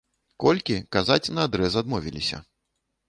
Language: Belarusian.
Колькі, казаць наадрэз адмовіліся.